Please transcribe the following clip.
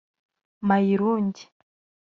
Mayirungi